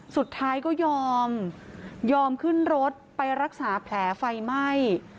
สุดท้ายก็ยอมยอมขึ้นรถไปรักษาแผลไฟไหม้